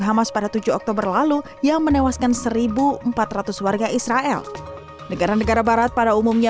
hamas pada tujuh oktober lalu yang menewaskan seribu empat ratus warga israel negara negara barat pada umumnya